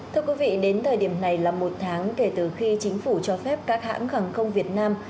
thưa quý vị đến thời điểm này là một tháng kể từ khi chính phủ cho phép các hãng hàng không việt nam